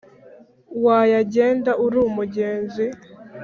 wayagenda uri umugenzi